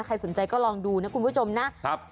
ใครสนใจก็ลองดูนะคุณผู้ชมนะ